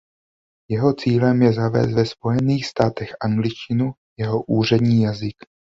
Jeho cílem je zavést ve Spojených státech angličtinu jako úřední jazyk.